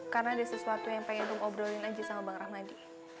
karena ada sesuatu yang pengen gue ngobrolin aja sama bang rahmadi